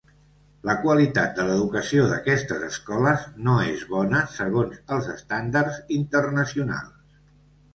La qualitat de l'educació d'aquestes escoles no es bona segons els estàndards internacionals.